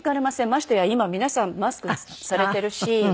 ましてや今皆さんマスクされてるし。